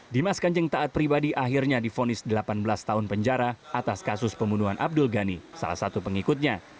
dimas kanjeng taat pribadi akhirnya difonis delapan belas tahun penjara atas kasus pembunuhan abdul ghani salah satu pengikutnya